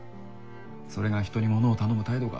それが人にものを頼む態度か。